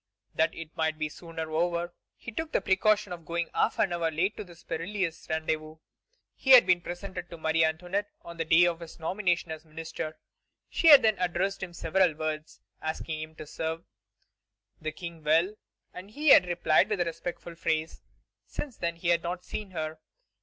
That it might be the sooner over, he took the precaution of going half an hour late to this perilous rendezvous. He had been presented to Marie Antoinette on the day of his nomination as minister. She had then addressed him several words, asking him to serve the King well, and he had replied with a respectful phrase. Since then he had not seen her.